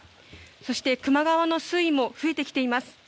そして、球磨川の水位も増えてきています。